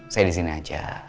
saya disini aja